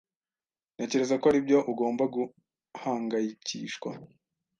Ntekereza ko aribyo ugomba guhangayikishwa.